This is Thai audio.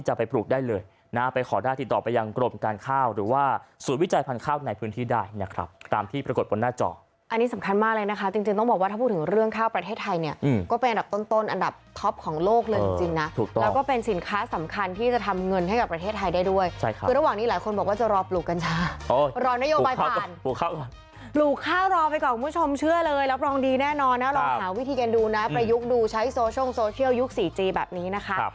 จริงต้องบอกว่าถ้าพูดถึงเรื่องข้าวประเทศไทยเนี่ยก็เป็นอันดับต้นอันดับท็อปของโลกเลยจริงนะแล้วก็เป็นสินค้าสำคัญที่จะทำเงินให้กับประเทศไทยได้ด้วยคือระหว่างนี้หลายคนบอกว่าจะรอปลูกกันค่ะรอนโยบายผ่านปลูกข้าวก่อนปลูกข้าวรอไปก่อนคุณผู้ชมเชื่อเลยรับรองดีแน่นอนนะลองหาว